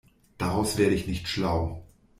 Daraus werde ich nicht schlau.